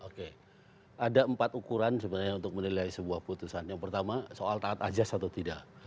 oke ada empat ukuran sebenarnya untuk menilai sebuah putusan yang pertama soal taat ajas atau tidak